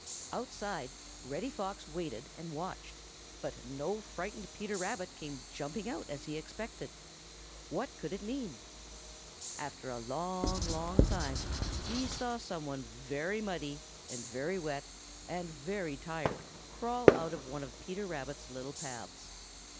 Outside, Reddy Fox waited and watched, but no frightened Peter Rabbit came jumping out as he expected. What could it mean? After a long, long time he saw some one very muddy and very wet and very tired crawl out of one of Peter Rabbit's little paths.